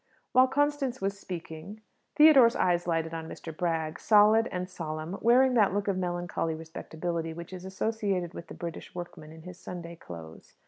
While Constance was speaking, Theodore's eye lighted on Mr. Bragg, solid and solemn, wearing that look of melancholy respectability which is associated with the British workman in his Sunday clothes.